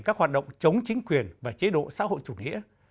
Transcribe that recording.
các hoạt động chống chính quyền và chế độ xã hội chủ nghĩa